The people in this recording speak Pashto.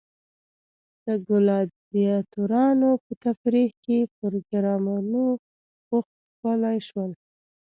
د ګلادیاتورانو په تفریحي پروګرامونو بوخت کړای شول.